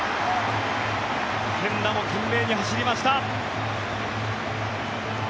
源田も懸命に走りました。